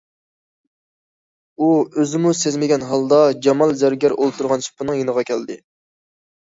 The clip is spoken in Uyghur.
ئۇ ئۆزىمۇ سەزمىگەن ھالدا جامال زەرگەر ئولتۇرغان سۇپىنىڭ يېنىغا كەلدى.